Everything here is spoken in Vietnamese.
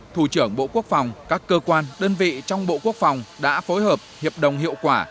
thủ trưởng bộ quốc phòng các cơ quan đơn vị trong bộ quốc phòng đã phối hợp hiệp đồng hiệu quả